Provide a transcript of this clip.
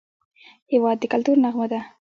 هېواد د کلتور نغمه ده.